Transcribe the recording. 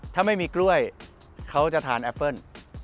ถ้าไม่มีกล้วยเขาจะทานแอปเปิ้ล